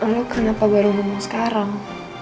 lalu kenapa baru ngomong sekarang